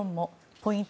ポイント